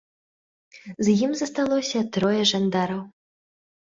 З ім засталося трое жандараў.